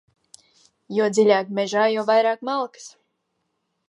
Jo dziļāk mežā, jo vairāk malkas.